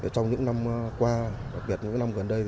trong những năm qua đặc biệt những năm gần đây